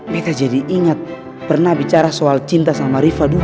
meta jadi ingat pernah bicara soal cinta sama riva dulu